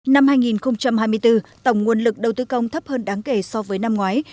năm hai nghìn hai mươi bốn tổng nguồn lực đầu tư công thấp hơn đáng kể so với năm ngoái